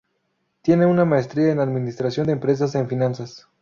Tiene una Maestría en Administración de empresas en finanzas.